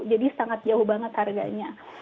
jadi sangat jauh banget harganya